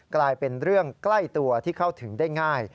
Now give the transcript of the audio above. กลายเป็นเรื่องใกล้ตัวที่เข้าถึงได้ง่าย